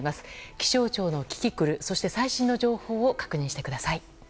気象庁のキキクルそして最新の情報を確認してください。